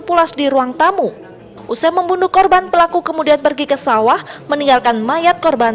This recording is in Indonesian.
pulas di ruang tamu usai membunuh korban pelaku kemudian pergi ke sawah meninggalkan mayat korban